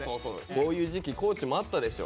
こういう時期地もあったでしょ？